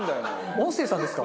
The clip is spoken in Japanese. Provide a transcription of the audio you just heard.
音声さんですか？